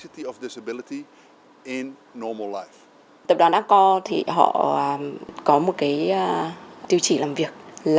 tập đoàn acor thì họ có một tiêu chỉ làm việc